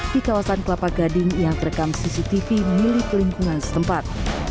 di kawasan kelapa gading yang terekam cctv milik lingkungan setempat